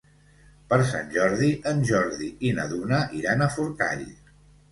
Per Sant Jordi en Jordi i na Duna iran a Forcall.